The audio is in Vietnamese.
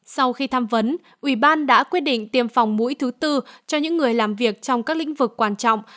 sau khi tham vấn ủy ban đã quyết định tiêm phòng mũi thứ tư cho những người làm việc trong các lĩnh vực quan trọng